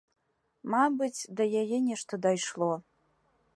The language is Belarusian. Мабыць, да яе нешта дайшло.